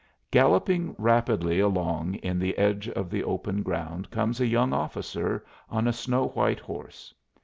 Galloping rapidly along in the edge of the open ground comes a young officer on a snow white horse.